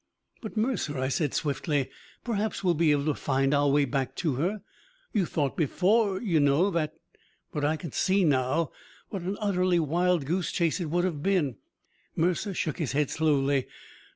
"But, Mercer," I said swiftly, "perhaps we'll be able to find our way back to her. You thought before, you know, that " "But I can see now what an utterly wild goose chase it would have been." Mercer shook his head slowly.